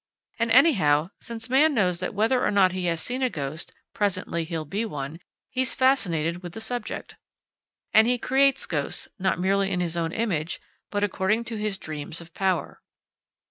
And anyhow, since man knows that whether or not he has seen a ghost, presently he'll be one, he's fascinated with the subject. And he creates ghosts, not merely in his own image, but according to his dreams of power.